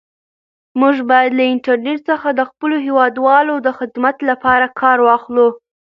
موږ باید له انټرنیټ څخه د خپلو هیوادوالو د خدمت لپاره کار واخلو.